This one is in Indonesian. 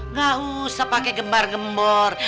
nggak usah pake gembar gembur